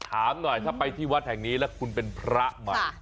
ถามหน่อยถ้าไปที่วัดแห่งนี้แล้วคุณเป็นพระมา